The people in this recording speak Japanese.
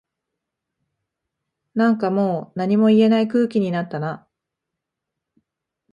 なんかもう何も言えない空気になったな